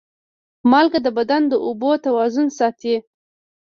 مالګه د بدن د اوبو توازن ساتي.